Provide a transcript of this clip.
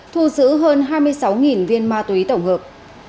thu giữ hơn hai mươi sáu viên ma túy tổng hợp